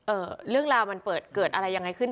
เรื่องราวมันเปิดเกิดอะไรยังไงขึ้น